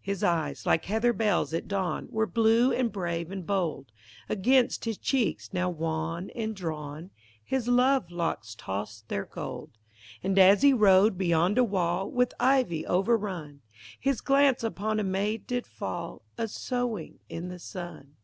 His eyes, like heather bells at dawn, Were blue and brave and bold; Against his cheeks, now wan and drawn, His love locks tossed their gold. And as he rode, beyond a wall With ivy overrun, His glance upon a maid did fall, A sewing in the sun.